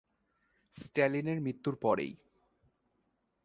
স্ট্যালিনের মৃত্যুর পরে, ই।